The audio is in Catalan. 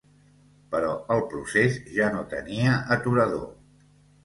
Però el procés ja no tenia aturador.